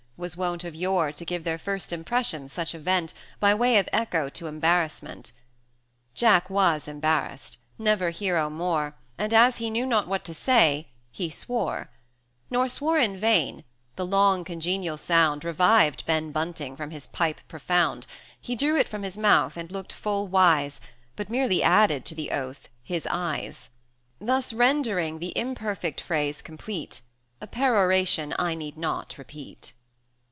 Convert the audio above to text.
was wont of yore To give their first impressions such a vent, By way of echo to embarrassment.[fq] 130 Jack was embarrassed, never hero more, And as he knew not what to say, he swore: Nor swore in vain; the long congenial sound Revived Ben Bunting from his pipe profound; He drew it from his mouth, and looked full wise, But merely added to the oath his eyes; Thus rendering the imperfect phrase complete, A peroration I need not repeat.